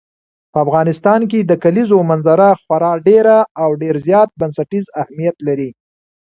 په افغانستان کې د کلیزو منظره خورا ډېر او ډېر زیات بنسټیز اهمیت لري.